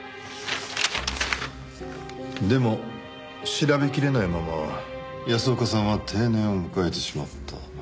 でも調べきれないまま安岡さんは定年を迎えてしまった。